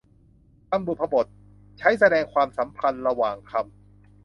คำบุพบท ใช้แสดงความสำพันธ์ระหว่างคำ